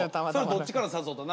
どっちから誘ったの？